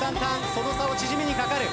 その差を縮めにかかる。